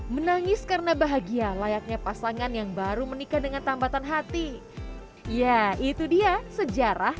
menangis karena bahagia layaknya pasangan yang baru menikah dengan tambatan hati ya itu dia sejarah